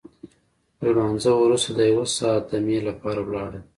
له لمانځه وروسته د یو ساعت دمې لپاره ولاړل.